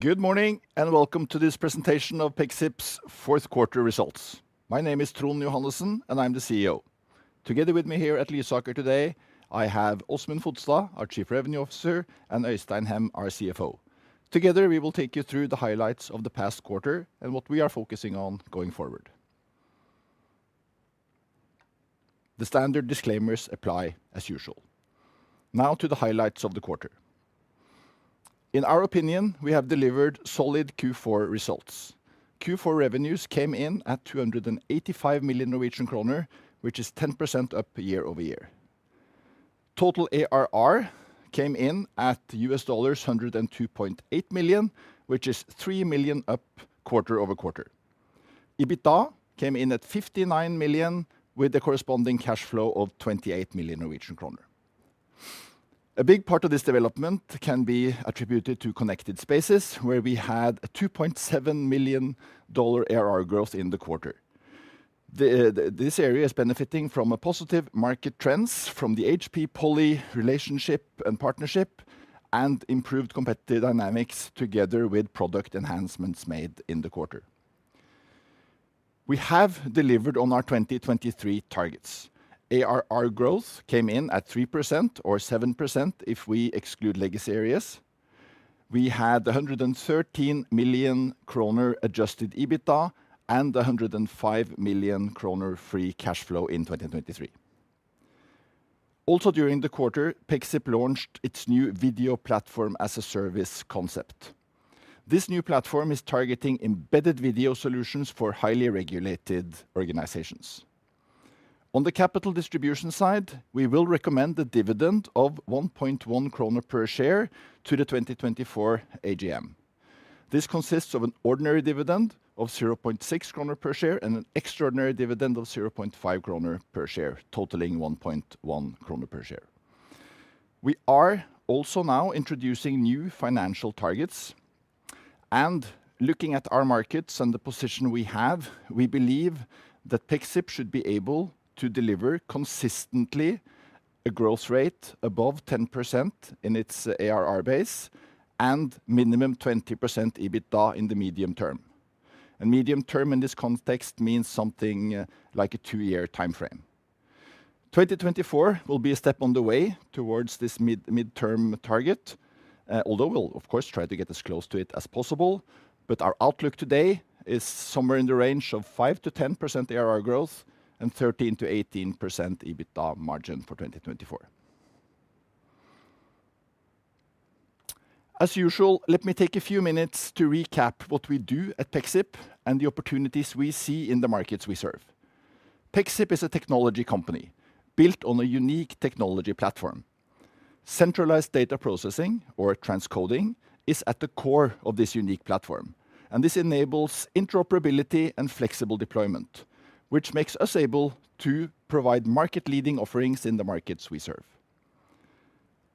Good morning, and welcome to this presentation of Pexip's fourth quarter results. My name is Trond Johannessen, and I'm the CEO. Together with me here at Lysaker today, I have Åsmund Fodstad, our Chief Revenue Officer, and Øystein Hem, our CFO. Together, we will take you through the highlights of the past quarter and what we are focusing on going forward. The standard disclaimers apply as usual. Now to the highlights of the quarter. In our opinion, we have delivered solid Q4 results. Q4 revenues came in at 285 million Norwegian kroner, which is 10% up year-over-year. Total ARR came in at $102.8 million, which is $3 million up quarter-over-quarter. EBITDA came in at 59 million, with the corresponding cash flow of 28 million Norwegian kroner. A big part of this development can be attributed to Connected Spaces, where we had a $2.7 million ARR growth in the quarter. This area is benefiting from a positive market trends from the HP Poly relationship and partnership, and improved competitive dynamics together with product enhancements made in the quarter. We have delivered on our 2023 targets. ARR growth came in at 3% or 7% if we exclude legacy areas. We had 113 million kroner adjusted EBITDA and 105 million kroner free cash flow in 2023. Also, during the quarter, Pexip launched its new Video Platform as a Service concept. This new platform is targeting embedded video solutions for highly regulated organizations. On the capital distribution side, we will recommend a dividend of 1.1 kroner per share to the 2024 AGM. This consists of an ordinary dividend of 0.6 kroner per share and an extraordinary dividend of 0.5 kroner per share, totaling 1.1 kroner per share. We are also now introducing new financial targets and looking at our markets and the position we have, we believe that Pexip should be able to deliver consistently a growth rate above 10% in its ARR base and minimum 20% EBITDA in the medium term. Medium term in this context means something like a two-year timeframe. 2024 will be a step on the way towards this midterm target, although we'll, of course, try to get as close to it as possible. Our outlook today is somewhere in the range of 5%-10% ARR growth and 13%-18% EBITDA margin for 2024. As usual, let me take a few minutes to recap what we do at Pexip and the opportunities we see in the markets we serve. Pexip is a technology company built on a unique technology platform. Centralized data processing, or transcoding, is at the core of this unique platform, and this enables interoperability and flexible deployment, which makes us able to provide market-leading offerings in the markets we serve.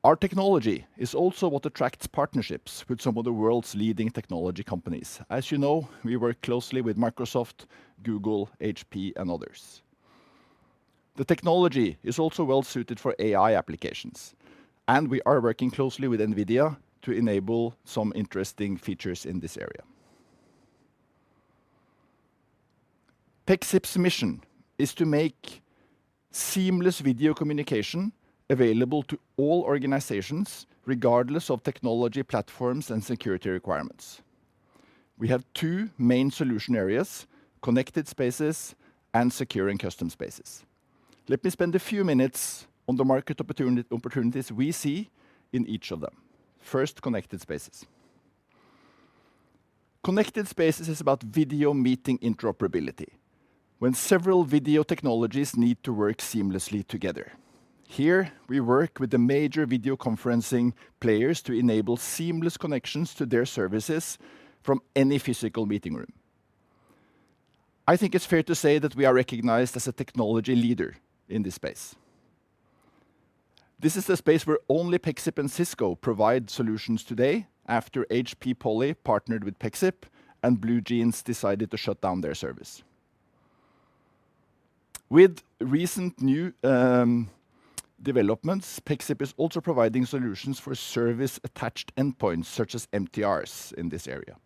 Our technology is also what attracts partnerships with some of the world's leading technology companies. As you know, we work closely with Microsoft, Google, HP, and others. The technology is also well suited for AI applications, and we are working closely with NVIDIA to enable some interesting features in this area. Pexip's mission is to make seamless video communication available to all organizations, regardless of technology, platforms, and security requirements. We have two main solution areas: Connected Spaces and Secure and Custom Spaces. Let me spend a few minutes on the market opportunities we see in each of them. First, Connected Spaces. Connected Spaces is about video meeting interoperability when several video technologies need to work seamlessly together. Here, we work with the major video conferencing players to enable seamless connections to their services from any physical meeting room. I think it's fair to say that we are recognized as a technology leader in this space. This is the space where only Pexip and Cisco provide solutions today, after HP Poly partnered with Pexip and BlueJeans decided to shut down their service. With recent new developments, Pexip is also providing solutions for service-attached endpoints, such as MTRs in this area.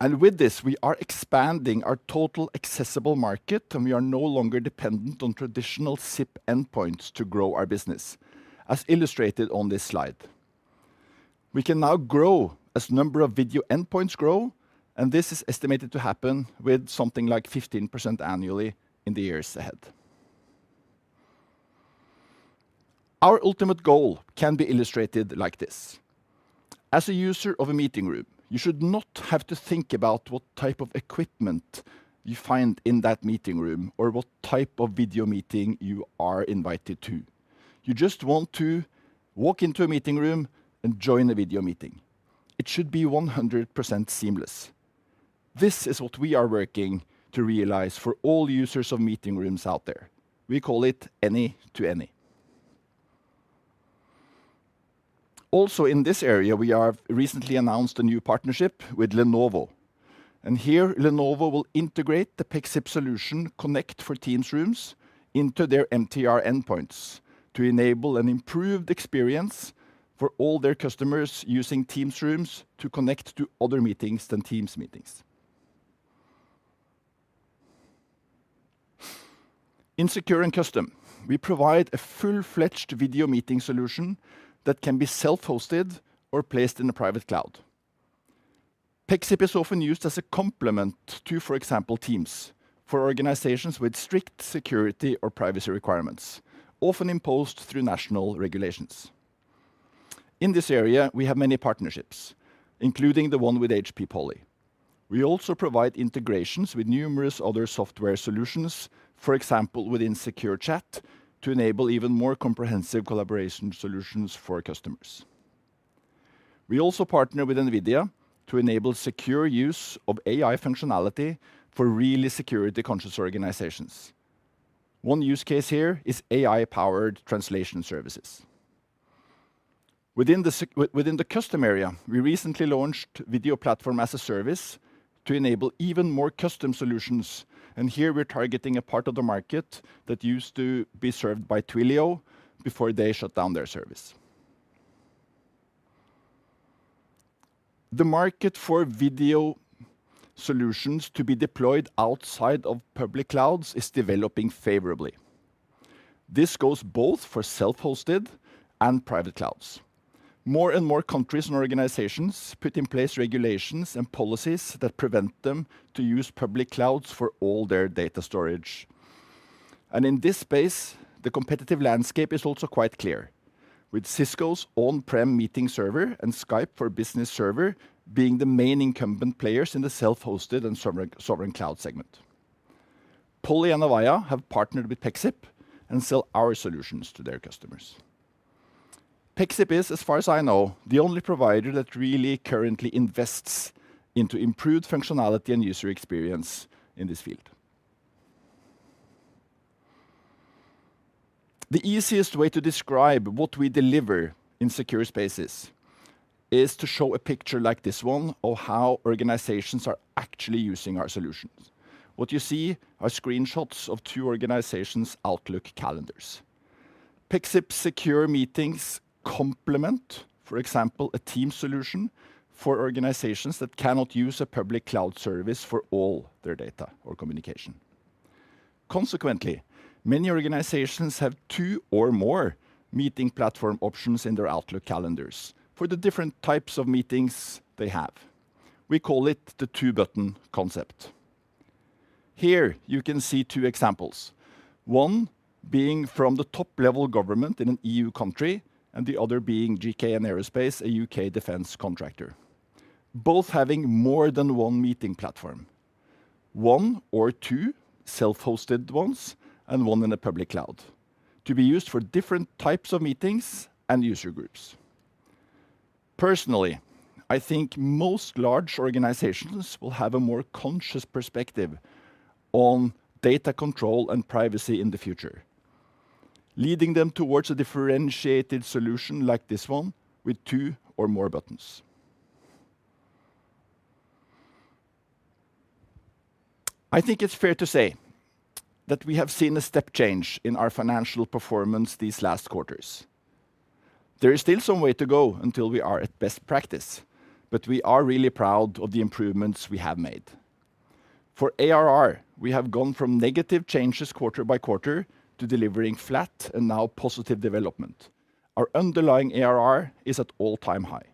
With this, we are expanding our total accessible market, and we are no longer dependent on traditional SIP endpoints to grow our business, as illustrated on this slide. We can now grow as number of video endpoints grow, and this is estimated to happen with something like 15% annually in the years ahead. Our ultimate goal can be illustrated like this: As a user of a meeting room, you should not have to think about what type of equipment you find in that meeting room or what type of video meeting you are invited to. You just want to walk into a meeting room and join a video meeting. It should be 100% seamless. This is what we are working to realize for all users of meeting rooms out there. We call it any-to-any. Also, in this area, we have recently announced a new partnership with Lenovo. Here, Lenovo will integrate the Pexip solution, Connect for Teams Rooms into their MTR endpoints to enable an improved experience for all their customers using Teams Rooms to connect to other meetings than Teams meetings. In Secure and Custom, we provide a full-fledged video meeting solution that can be self-hosted or placed in a private cloud. Pexip is often used as a complement to, for example, Teams, for organizations with strict security or privacy requirements, often imposed through national regulations. In this area, we have many partnerships, including the one with HP Poly. We also provide integrations with numerous other software solutions, for example, within secure chat, to enable even more comprehensive collaboration solutions for our customers. We also partner with NVIDIA to enable secure use of AI functionality for really security-conscious organizations. One use case here is AI-powered translation services. Within the custom area, we recently launched Video Platform as a Service to enable even more custom solutions, and here we're targeting a part of the market that used to be served by Twilio before they shut down their service. The market for video solutions to be deployed outside of public clouds is developing favorably. This goes both for self-hosted and private clouds. More and more countries and organizations put in place regulations and policies that prevent them to use public clouds for all their data storage. In this space, the competitive landscape is also quite clear, with Cisco's on-prem meeting server and Skype for Business Server being the main incumbent players in the self-hosted and sovereign cloud segment. Poly and Avaya have partnered with Pexip and sell our solutions to their customers. Pexip is, as far as I know, the only provider that really currently invests into improved functionality and user experience in this field. The easiest way to describe what we deliver in secure spaces is to show a picture like this one of how organizations are actually using our solutions. What you see are screenshots of two organizations' Outlook calendars. Pexip Secure Meetings complement, for example, a Teams solution for organizations that cannot use a public cloud service for all their data or communication. Consequently, many organizations have two or more meeting platform options in their Outlook calendars for the different types of meetings they have. We call it the two-button concept. Here, you can see two examples, one being from the top-level government in an E.U. country and the other being GKN Aerospace, a U.K. Defence contractor, both having more than one meeting platform, one or two self-hosted ones and one in a public cloud, to be used for different types of meetings and user groups. Personally, I think most large organizations will have a more conscious perspective on data control and privacy in the future, leading them towards a differentiated solution like this one with two or more buttons. I think it's fair to say that we have seen a step change in our financial performance these last quarters. There is still some way to go until we are at best practice, but we are really proud of the improvements we have made. For ARR, we have gone from negative changes quarter by quarter to delivering flat and now positive development. Our underlying ARR is at all-time high.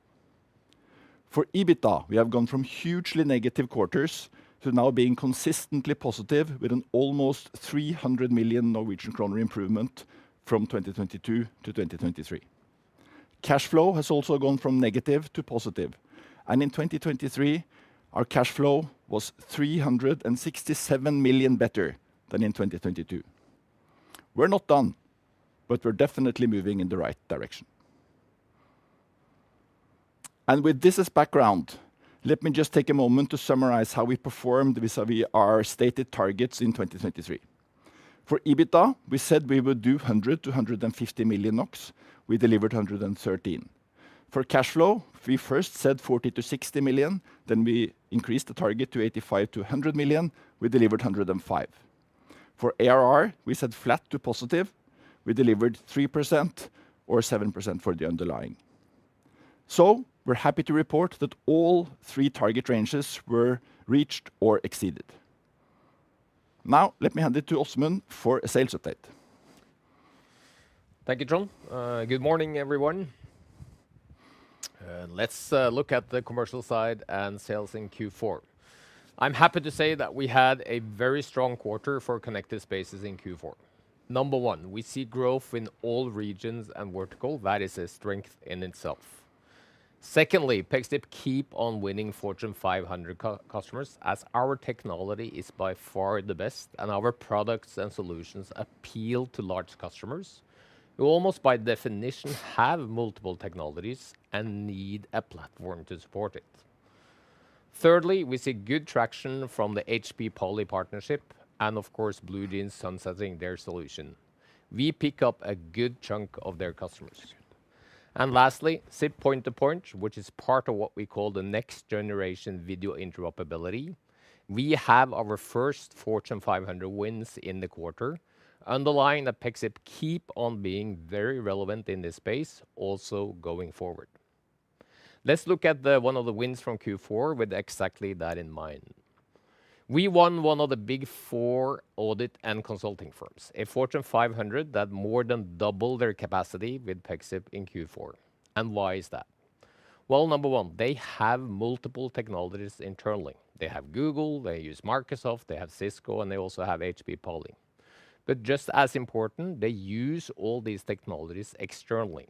For EBITDA, we have gone from hugely negative quarters to now being consistently positive, with an almost 300 million Norwegian kroner improvement from 2022 to 2023. Cash flow has also gone from negative to positive, and in 2023, our cash flow was 367 million better than in 2022. We're not done, but we're definitely moving in the right direction. With this as background, let me just take a moment to summarize how we performed vis-a-vis our stated targets in 2023. For EBITDA, we said we would do 100-150 million NOK. We delivered 113 million. For cash flow, we first said 40-60 million, then we increased the target to 85-100 million. We delivered 105 million. For ARR, we said flat to positive. We delivered 3% or 7% for the underlying. So we're happy to report that all three target ranges were reached or exceeded. Now, let me hand it to Åsmund for a sales update. Thank you, Trond. Good morning, everyone. Let's look at the commercial side and sales in Q4. I'm happy to say that we had a very strong quarter for Connected Spaces in Q4. Number one, we see growth in all regions and vertical. That is a strength in itself. Secondly, Pexip keep on winning Fortune 500 customers, as our technology is by far the best, and our products and solutions appeal to large customers, who almost by definition, have multiple technologies and need a platform to support it. Thirdly, we see good traction from the HP Poly partnership and of course, BlueJeans sunsetting their solution. We pick up a good chunk of their customers. Lastly, SIP Point-to-Point, which is part of what we call the next generation video interoperability. We have our first Fortune 500 wins in the quarter underlying that Pexip keep on being very relevant in this space, also going forward. Let's look at the one of the wins from Q4 with exactly that in mind. We won one of the Big Four audit and consulting firms, a Fortune 500 that more than double their capacity with Pexip in Q4. And why is that? Well, number one, they have multiple technologies internally. They have Google, they use Microsoft, they have Cisco, and they also have HP Poly. But just as important, they use all these technologies externally.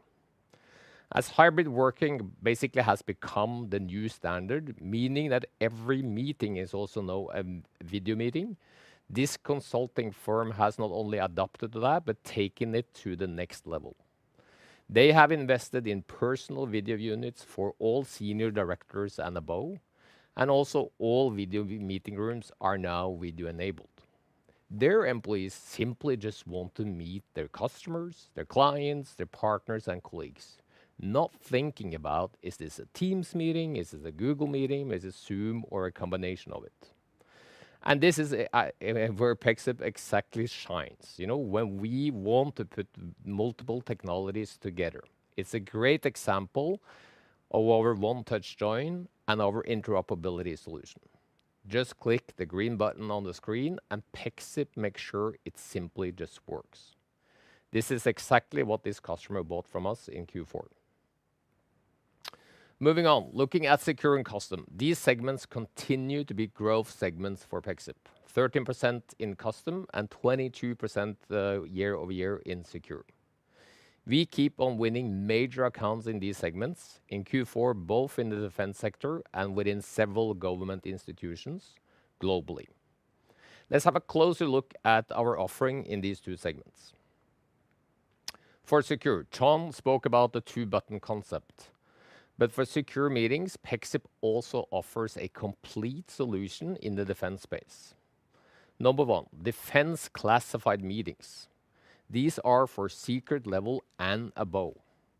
As hybrid working basically has become the new standard, meaning that every meeting is also now a video meeting, this consulting firm has not only adapted to that, but taken it to the next level. They have invested in personal video units for all senior directors and above, and also all video meeting rooms are now video-enabled. Their employees simply just want to meet their customers, their clients, their partners, and colleagues, not thinking about, is this a Teams meeting? Is this a Google meeting? Is it Zoom or a combination of it? And this is where Pexip exactly shines. You know, when we want to put multiple technologies together. It's a great example of our one touch join and our interoperability solution. Just click the green button on the screen and Pexip makes sure it simply just works. This is exactly what this customer bought from us in Q4. Moving on. Looking at Secure and Custom, these segments continue to be growth segments for Pexip. 13% in Custom and 22% year-over-year in Secure. We keep on winning major accounts in these segments. In Q4, both in the defense sector and within several government institutions globally. Let's have a closer look at our offering in these two segments. For Secure, Trond spoke about the two button concept, but for Secure Meetings, Pexip also offers a complete solution in the defense space. Number one, defense classified meetings. These are for secret level and above.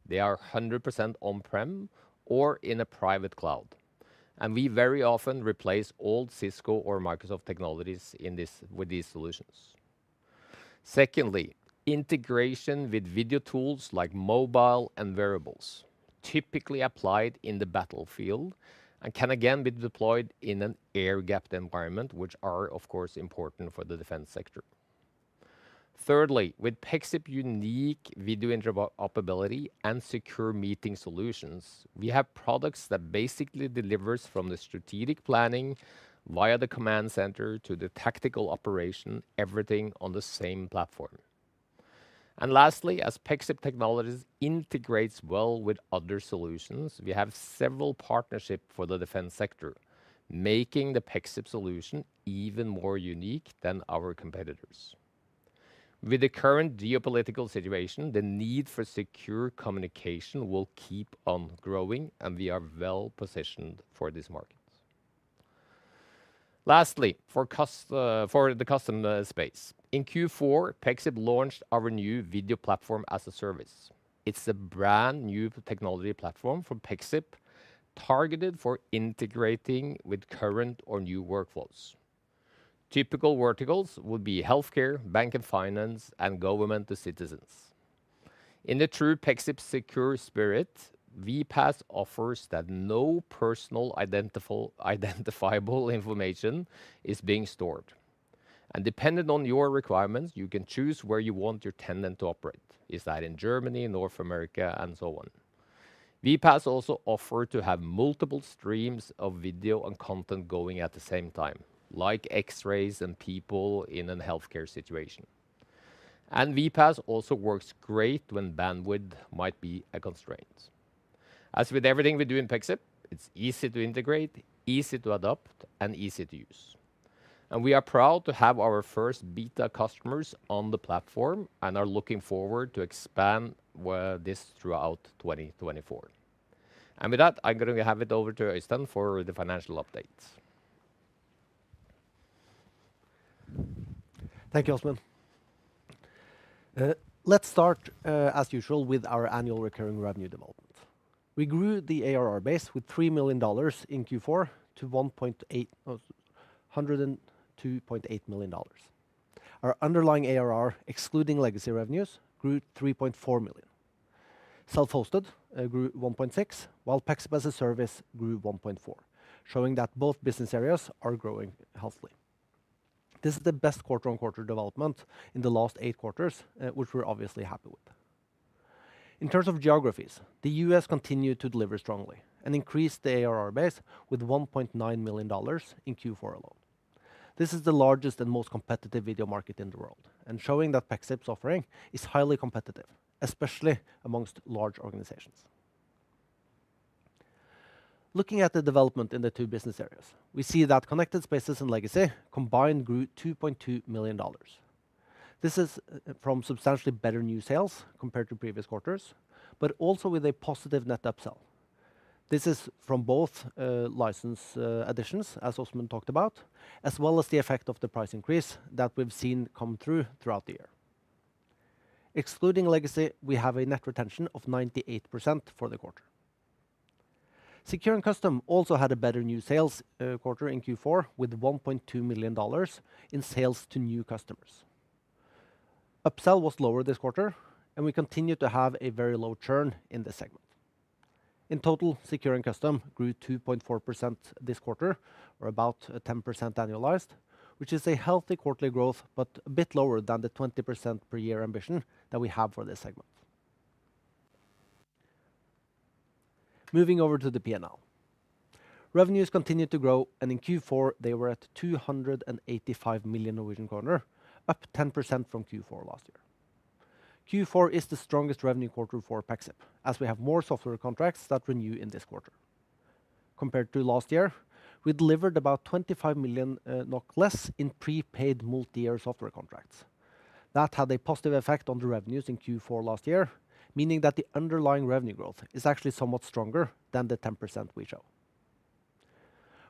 They are 100% on-prem or in a private cloud, and we very often replace old Cisco or Microsoft technologies in this with these solutions. Secondly, integration with video tools like mobile and wearables, typically applied in the battlefield and can again be deployed in an air-gapped environment, which are, of course, important for the defense sector. Thirdly, with Pexip unique video interoperability and secure meeting solutions, we have products that basically delivers from the strategic planning via the command center to the tactical operation, everything on the same platform. And lastly, as Pexip technologies integrates well with other solutions, we have several partnership for the defense sector, making the Pexip solution even more unique than our competitors. With the current geopolitical situation, the need for secure communication will keep on growing, and we are well positioned for these markets. Lastly, for the Custom Space. In Q4, Pexip launched our new Video Platform as a Service. It's a brand-new technology platform from Pexip, targeted for integrating with current or new workflows. Typical verticals would be healthcare, bank and finance, and government to citizens. In the true Pexip secure spirit, VPaaS offers that no personal identifiable information is being stored, and depending on your requirements, you can choose where you want your tenant to operate. Is that in Germany, North America, and so on. VPaaS also offer to have multiple streams of video and content going at the same time, like X-rays and people in a healthcare situation. And VPaaS also works great when bandwidth might be a constraint. As with everything we do in Pexip, it's easy to integrate, easy to adopt, and easy to use. And we are proud to have our first beta customers on the platform and are looking forward to expand this throughout 2024. And with that, I'm going to hand it over to Øystein for the financial updates. Thank you, Åsmund. Let's start as usual with our annual recurring revenue development. We grew the ARR base with $3 million in Q4 to $102.8 million. Our underlying ARR, excluding legacy revenues, grew $3.4 million. Self-hosted grew $1.6 million, while Pexip as a service grew $1.4 million, showing that both business areas are growing healthily. This is the best quarter-on-quarter development in the last eight quarters, which we're obviously happy with. In terms of geographies, the U.S. continued to deliver strongly and increased the ARR base with $1.9 million in Q4 alone. This is the largest and most competitive video market in the world, and showing that Pexip's offering is highly competitive, especially among large organizations. Looking at the development in the two business areas, we see that Connected Spaces and Legacy combined grew $2.2 million. This is from substantially better new sales compared to previous quarters, but also with a positive net upsell. This is from both, license additions, as Åsmund talked about, as well as the effect of the price increase that we've seen come through throughout the year. Excluding legacy, we have a net retention of 98% for the quarter. Secure and Custom also had a better new sales quarter in Q4, with $1.2 million in sales to new customers. Upsell was lower this quarter, and we continued to have a very low churn in this segment. In total, Secure and Custom grew 2.4% this quarter, or about, 10% annualized, which is a healthy quarterly growth, but a bit lower than the 20% per year ambition that we have for this segment. Moving over to the P&L. Revenues continued to grow, and in Q4, they were at 285 million Norwegian kroner, up 10% from Q4 last year. Q4 is the strongest revenue quarter for Pexip, as we have more software contracts that renew in this quarter. Compared to last year, we delivered about 25 million less in prepaid multi-year software contracts. That had a positive effect on the revenues in Q4 last year, meaning that the underlying revenue growth is actually somewhat stronger than the 10% we show.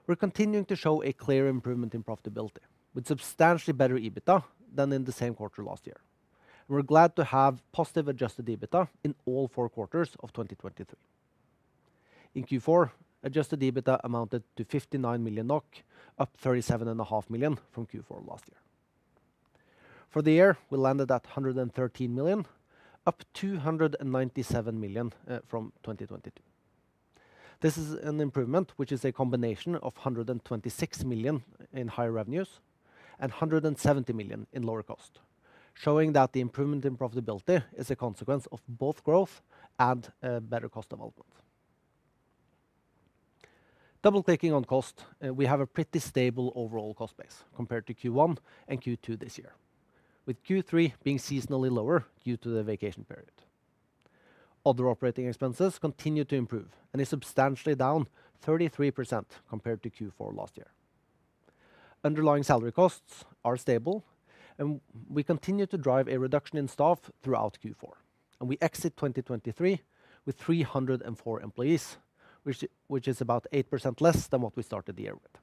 We're continuing to show a clear improvement in profitability, with substantially better EBITDA than in the same quarter last year. We're glad to have positive adjusted EBITDA in all four quarters of 2023. In Q4, adjusted EBITDA amounted to 59 million NOK, up 37.5 million from Q4 last year. For the year, we landed at 113 million, up 297 million from 2022. This is an improvement, which is a combination of 126 million in higher revenues and 170 million in lower cost, showing that the improvement in profitability is a consequence of both growth and a better cost development. Double-clicking on cost, we have a pretty stable overall cost base compared to Q1 and Q2 this year, with Q3 being seasonally lower due to the vacation period. Other operating expenses continue to improve and is substantially down 33% compared to Q4 last year. Underlying salary costs are stable, and we continue to drive a reduction in staff throughout Q4, and we exit 2023 with 304 employees, which is about 8% less than what we started the year with.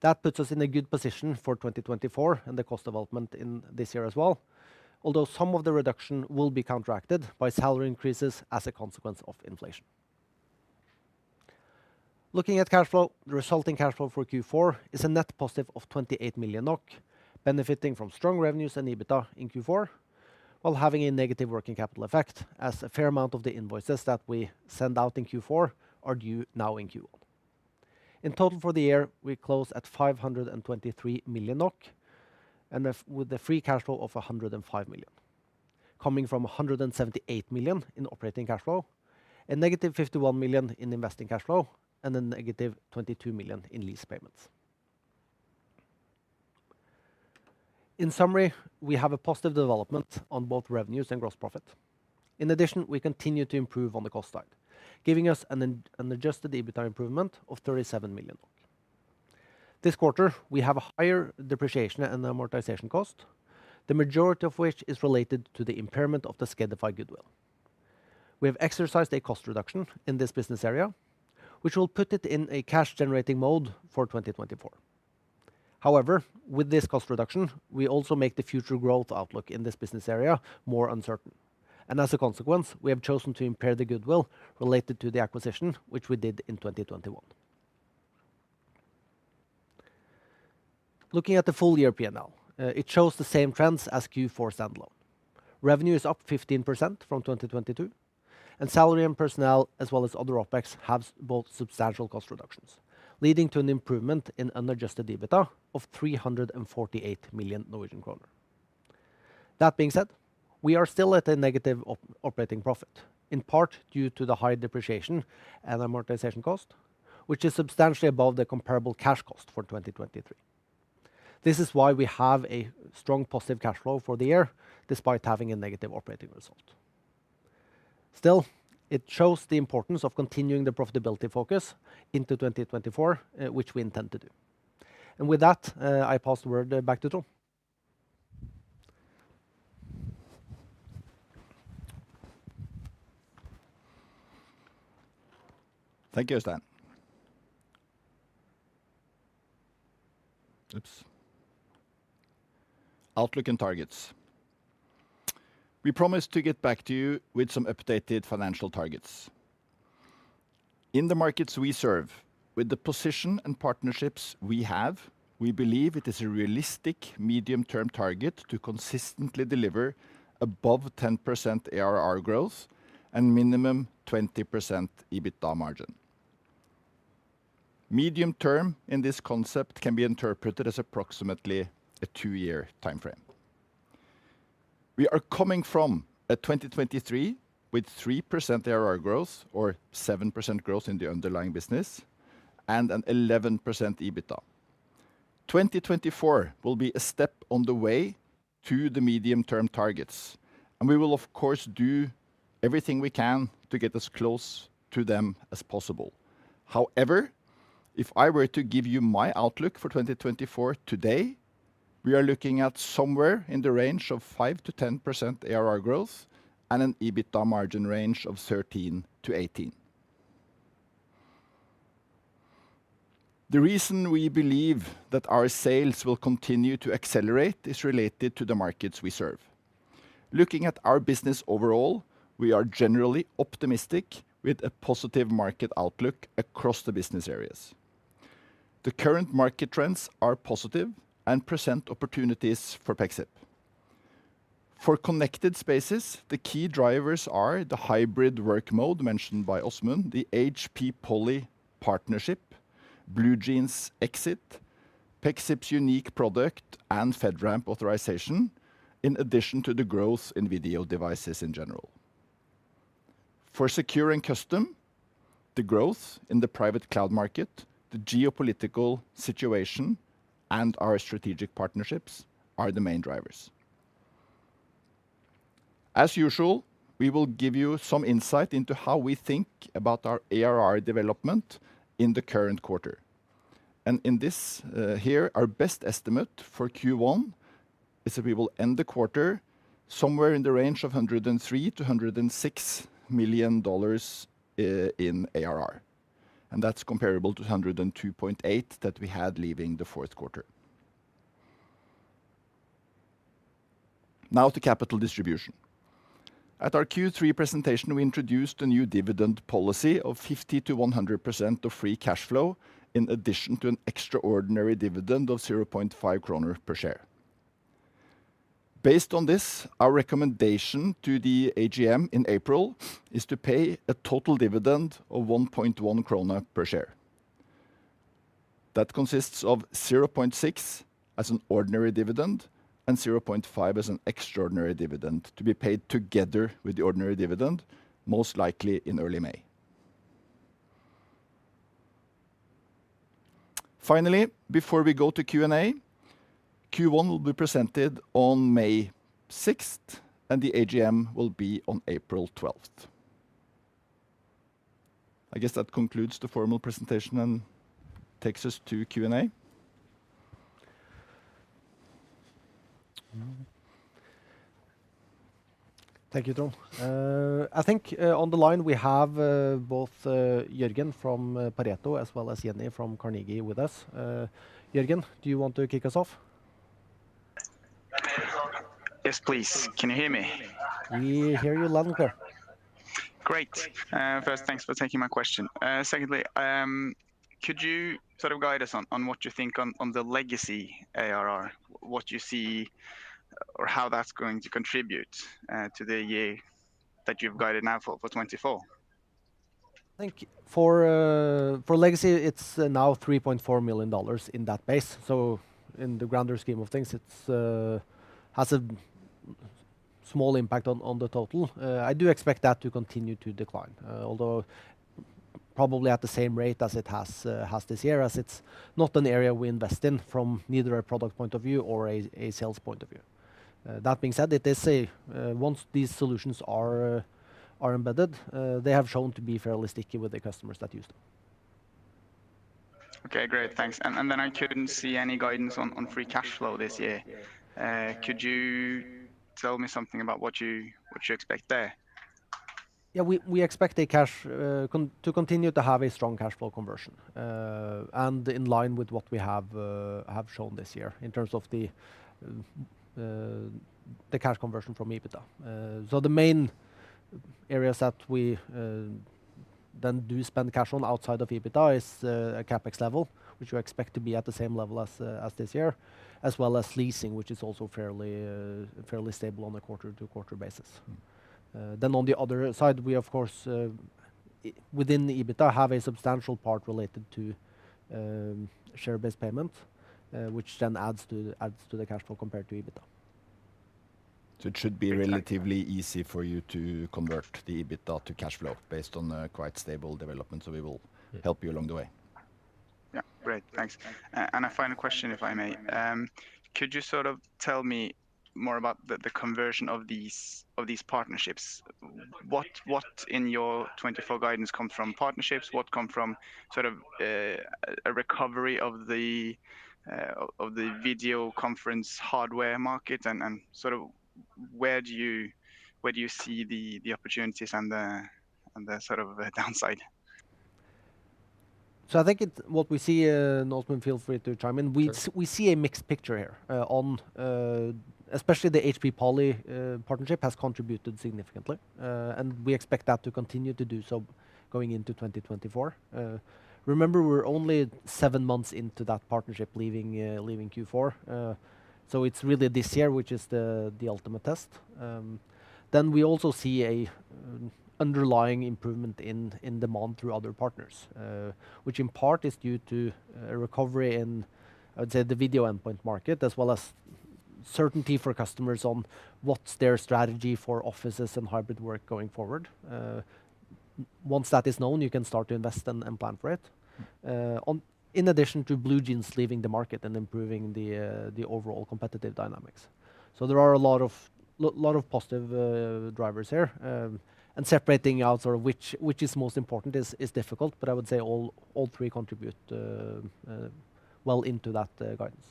That puts us in a good position for 2024 and the cost development in this year as well, although some of the reduction will be counteracted by salary increases as a consequence of inflation. Looking at cash flow, the resulting cash flow for Q4 is a net positive of 28 million NOK, benefiting from strong revenues and EBITDA in Q4, while having a negative working capital effect, as a fair amount of the invoices that we send out in Q4 are due now in Q1. In total, for the year, we close at 523 million NOK, and with a free cash flow of 105 million, coming from 178 million in operating cash flow, and -51 million in investing cash flow, and -22 million in lease payments. In summary, we have a positive development on both revenues and gross profit. In addition, we continue to improve on the cost side, giving us an adjusted EBITDA improvement of 37 million. This quarter, we have a higher depreciation and amortization cost, the majority of which is related to the impairment of the Skedify goodwill. We have exercised a cost reduction in this business area, which will put it in a cash-generating mode for 2024. However, with this cost reduction, we also make the future growth outlook in this business area more uncertain, and as a consequence, we have chosen to impair the goodwill related to the acquisition, which we did in 2021. Looking at the full year P&L, it shows the same trends as Q4 stand-alone. Revenue is up 15% from 2022, and salary and personnel, as well as other OpEx, have both substantial cost reductions, leading to an improvement in unadjusted EBITDA of 348 million Norwegian kroner. That being said, we are still at a negative operating profit, in part due to the high depreciation and amortization cost, which is substantially above the comparable cash cost for 2023. This is why we have a strong positive cash flow for the year, despite having a negative operating result. Still, it shows the importance of continuing the profitability focus into 2024, which we intend to do. And with that, I pass the word back to Trond. Thank you, Øystein. Oops! Outlook and targets. We promised to get back to you with some updated financial targets. In the markets we serve, with the position and partnerships we have, we believe it is a realistic medium-term target to consistently deliver above 10% ARR growth and minimum 20% EBITDA margin. Medium term in this concept can be interpreted as approximately a 2-year timeframe. We are coming from a 2023 with 3% ARR growth, or 7% growth in the underlying business, and an 11% EBITDA. 2024 will be a step on the way to the medium-term targets, and we will, of course, do everything we can to get as close to them as possible. However, if I were to give you my outlook for 2024 today, we are looking at somewhere in the range of 5%-10% ARR growth and an EBITDA margin range of 13%-18%. The reason we believe that our sales will continue to accelerate is related to the markets we serve. Looking at our business overall, we are generally optimistic, with a positive market outlook across the business areas. The current market trends are positive and present opportunities for Pexip. For Connected Spaces, the key drivers are the hybrid work mode mentioned by Åsmund, the HP Poly partnership, BlueJeans exit, Pexip's unique product, and FedRAMP authorization, in addition to the growth in video devices in general. For Secure and Custom, the growth in the private cloud market, the geopolitical situation, and our strategic partnerships are the main drivers. As usual, we will give you some insight into how we think about our ARR development in the current quarter. In this, here, our best estimate for Q1 is that we will end the quarter somewhere in the range of $103 million-$106 million in ARR, and that's comparable to $102.8 million that we had leaving the fourth quarter. Now to capital distribution. At our Q3 presentation, we introduced a new dividend policy of 50%-100% of free cash flow, in addition to an extraordinary dividend of 0.5 kroner per share. Based on this, our recommendation to the AGM in April is to pay a total dividend of 1.1 krone per share. That consists of 0.6 as an ordinary dividend and 0.5 as an extraordinary dividend, to be paid together with the ordinary dividend, most likely in early May. Finally, before we go to Q&A, Q1 will be presented on 6 May, and the AGM will be on 12 April. I guess that concludes the formal presentation and takes us to Q&A. Thank you, Trond. I think, on the line, we have both Jørgen from Pareto, as well as Jenny from Carnegie with us. Jørgen, do you want to kick us off? Yes, please. Can you hear me? We hear you loud and clear. Great. First, thanks for taking my question. Secondly, could you sort of guide us on what you think on the legacy ARR? What you see or how that's going to contribute to the year that you've guided now for 2024? Thank you. For legacy, it's now $3.4 million in that base. So in the grander scheme of things, it has a small impact on the total. I do expect that to continue to decline, although probably at the same rate as it has this year, as it's not an area we invest in from neither a product point of view or a sales point of view. That being said, it is safe once these solutions are embedded, they have shown to be fairly sticky with the customers that use them. Okay, great. Thanks. And then I couldn't see any guidance on free cash flow this year. Could you tell me something about what you expect there? Yeah, we expect the cash to continue to have a strong cash flow conversion, and in line with what we have shown this year in terms of the cash conversion from EBITDA. So the main areas that we then do spend cash on outside of EBITDA is CapEx level, which we expect to be at the same level as this year, as well as leasing, which is also fairly stable on a quarter-to-quarter basis. Then on the other side, we of course within the EBITDA have a substantial part related to share-based payment, which then adds to the cash flow compared to EBITDA. It should be relatively easy for you to convert the EBITDA to cash flow based on a quite stable development. We will help you along the way. Yeah. Great, thanks. And a final question, if I may. Could you sort of tell me more about the conversion of these partnerships? What in your 2024 guidance come from partnerships, what come from sort of a recovery of the video conference hardware market? And sort of where do you see the opportunities and the sort of downside? So I think what we see, Åsmund, feel free to chime in. Sure. We see a mixed picture here, especially the HP Poly partnership has contributed significantly, and we expect that to continue to do so going into 2024. Remember, we're only seven months into that partnership, leaving Q4. So it's really this year, which is the ultimate test. Then we also see an underlying improvement in demand through other partners, which in part is due to a recovery in, I'd say, the video endpoint market, as well as certainty for customers on what's their strategy for offices and hybrid work going forward. Once that is known, you can start to invest and plan for it. In addition to BlueJeans leaving the market and improving the overall competitive dynamics. So there are a lot of positive drivers here. Separating out sort of which is most important is difficult, but I would say all three contribute well into that guidance.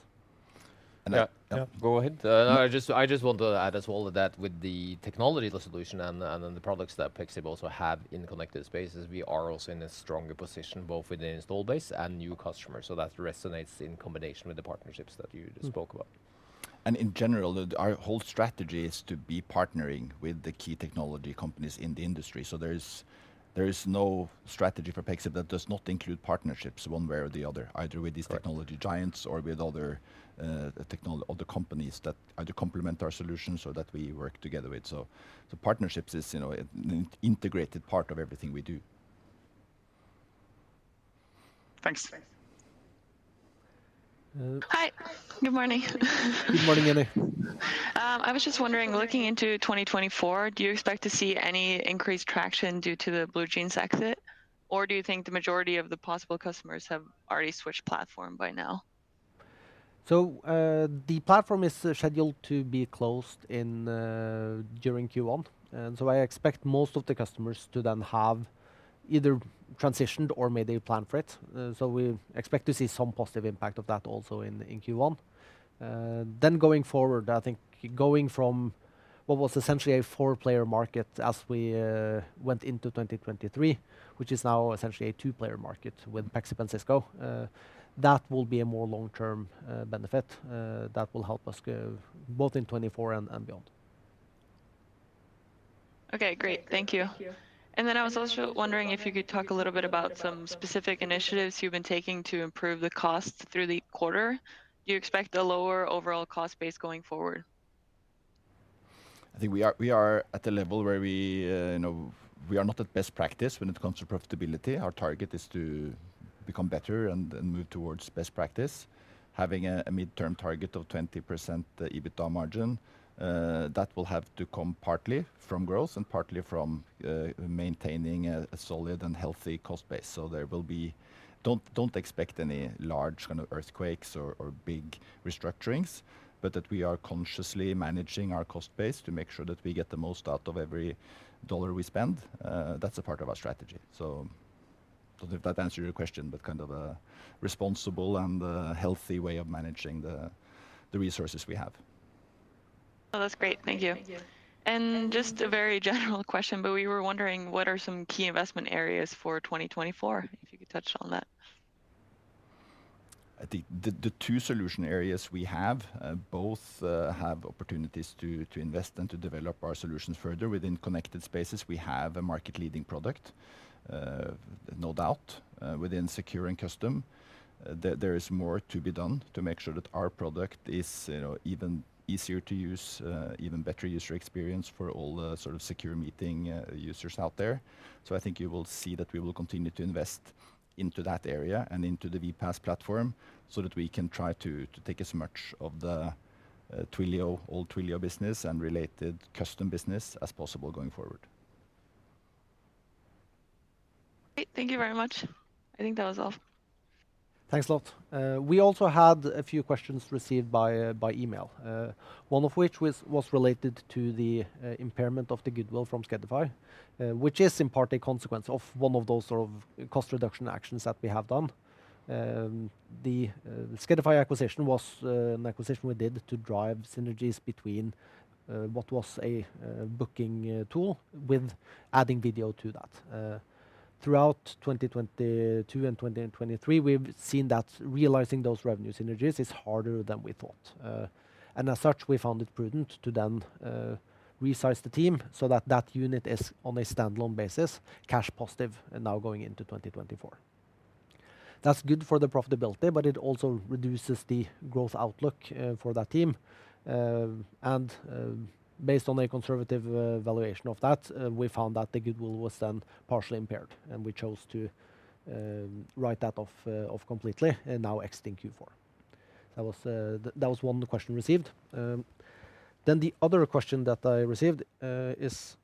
And I. Yeah. Yeah, go ahead. No, I just want to add as well that with the technological solution and then the products that Pexip also have in Connected Spaces, we are also in a stronger position, both with the install base and new customers. So that resonates in combination with the partnerships that you just spoke about. In general, our whole strategy is to be partnering with the key technology companies in the industry. So there is, there is no strategy for Pexip that does not include partnerships, one way or the other, either with these technology giants or with other companies that either complement our solutions or that we work together with. So, partnerships is, you know, an integrated part of everything we do. Thanks. Hi. Good morning. Good morning, Jenny. I was just wondering, looking into 2024, do you expect to see any increased traction due to the BlueJeans exit? Or do you think the majority of the possible customers have already switched platform by now? So, the platform is scheduled to be closed in during Q1, and so I expect most of the customers to then have either transitioned or made a plan for it. So we expect to see some positive impact of that also in Q1. Then going forward, I think going from what was essentially a four-player market as we went into 2023, which is now essentially a two-player market with Pexip and Cisco, that will be a more long-term benefit that will help us grow both in 2024 and beyond. Okay, great. Thank you. And then I was also wondering if you could talk a little bit about some specific initiatives you've been taking to improve the costs through the quarter. Do you expect a lower overall cost base going forward? I think we are at a level where we, you know, we are not at best practice when it comes to profitability. Our target is to become better and move towards best practice. Having a midterm target of 20% EBITDA margin, that will have to come partly from growth and partly from maintaining a solid and healthy cost base. So there will be, don't expect any large kind of earthquakes or big restructurings, but that we are consciously managing our cost base to make sure that we get the most out of every dollar we spend. That's a part of our strategy. So if that answers your question, but kind of a responsible and healthy way of managing the resources we have. Oh, that's great. Thank you. And just a very general question, but we were wondering, what are some key investment areas for 2024? If you could touch on that. I think the two solution areas we have both have opportunities to invest and to develop our solutions further. Within Connected Spaces, we have a market-leading product, no doubt. Within Secure and Custom, there is more to be done to make sure that our product is, you know, even easier to use, even better user experience for all the sort of secure meeting users out there. So I think you will see that we will continue to invest into that area and into the VPaaS platform, so that we can try to take as much of the Twilio, old Twilio business and related custom business as possible going forward. Great. Thank you very much. I think that was all. Thanks a lot. We also had a few questions received by email, one of which was related to the impairment of the goodwill from Skedify, which is in part a consequence of one of those sort of cost reduction actions that we have done. The Skedify acquisition was an acquisition we did to drive synergies between what was a booking tool, with adding video to that. Throughout 2022 and 2023, we've seen that realizing those revenue synergies is harder than we thought, and as such, we found it prudent to then resize the team so that that unit is, on a standalone basis, cash positive and now going into 2024. That's good for the profitability, but it also reduces the growth outlook for that team. And, based on a conservative valuation of that, we found that the goodwill was then partially impaired, and we chose to write that off, off completely, and now exiting Q4. That was, that was one question received. Then the other question that I received is,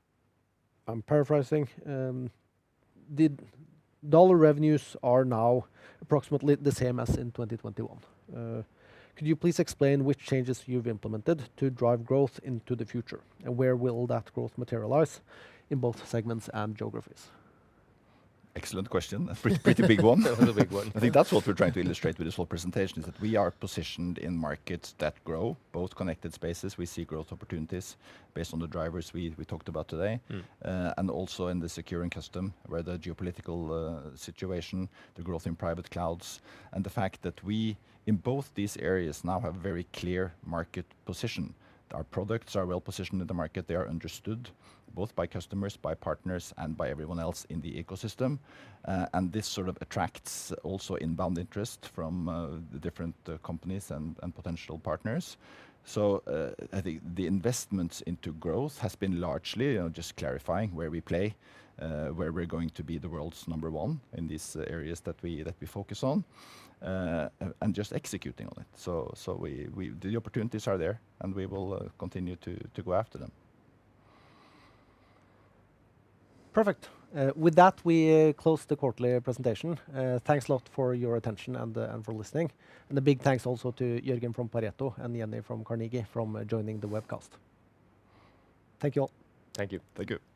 I'm paraphrasing: "The dollar revenues are now approximately the same as in 2021. Could you please explain which changes you've implemented to drive growth into the future, and where will that growth materialize in both segments and geographies? Excellent question. A pretty, pretty big one. Definitely a big one. I think that's what we're trying to illustrate with this whole presentation, is that we are positioned in markets that grow, both Connected Spaces. We see growth opportunities based on the drivers we talked about today. And also in the Secure and Custom, where the geopolitical situation, the growth in private clouds, and the fact that we, in both these areas, now have a very clear market position. Our products are well positioned in the market. They are understood, both by customers, by partners, and by everyone else in the ecosystem. And this sort of attracts also inbound interest from the different companies and potential partners. So, I think the investments into growth has been largely just clarifying where we play, where we're going to be the world's number one in these areas that we focus on, and just executing on it. So, we, the opportunities are there, and we will continue to go after them. Perfect. With that, we close the quarterly presentation. Thanks a lot for your attention and for listening. And a big thanks also to Jørgen from Pareto and Jenny from Carnegie for joining the webcast. Thank you all. Thank you. Thank you.